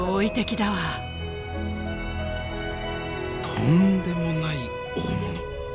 とんでもない大物。